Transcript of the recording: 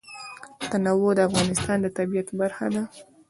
تنوع د افغانستان د طبیعت برخه ده.